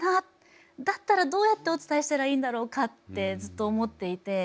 だったらどうやってお伝えしたらいいんだろうかってずっと思っていて。